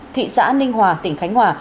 thị xã ninh hòa tỉnh khánh hòa